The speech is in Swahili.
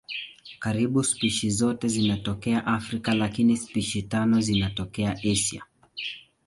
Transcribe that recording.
Karibu spishi zote zinatokea Afrika lakini spishi tano zinatokea Asia.